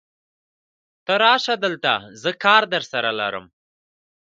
ته راشه دلته، زه کار درسره لرم.